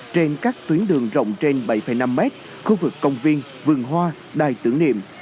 trên các tuyến đường rộng trên bảy năm mét khu vực công viên vườn hoa đài tưởng niệm